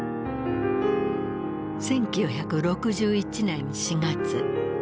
１９６１年４月。